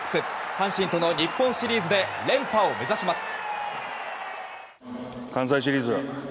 阪神との日本シリーズで連覇を目指します。